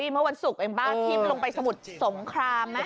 เมื่อวันศุกร์เองป้าทิ่มลงไปสมุทรสงครามไหม